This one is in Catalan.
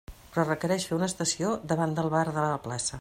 Però requereix fer una estació davant del bar de la plaça.